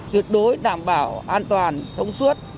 tuyệt đối đảm bảo an toàn thống suốt